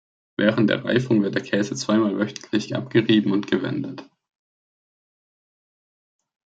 Während der Reifung wird der Käse zweimal wöchentlich abgerieben und gewendet.